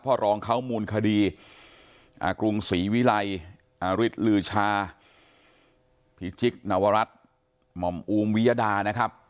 พ่อรองเข้ามูลคดีอศรีวิลัยอลืชาพิจิกนวรัฐหม่อมวิยดานะครับ